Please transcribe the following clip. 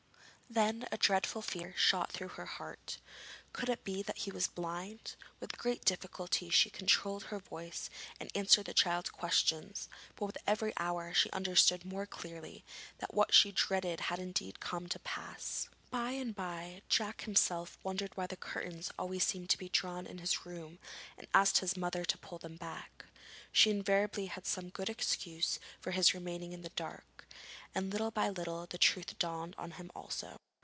Then a dreadful fear shot through her heart. Could it be that he was blind? With great difficulty she controlled her voice and answered the child's questions, but with every hour she understood more clearly that what she dreaded had indeed come to pass. By and bye Jack himself wondered why the curtains always seemed to be drawn in his room and asked his mother to pull them back. She invariably had some good excuse for his remaining in the dark, and little by little the truth dawned on him also.